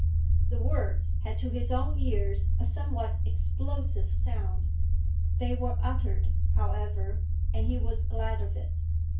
The words had to his own ears a somewhat explosive sound. They were uttered, however, and he was glad of it.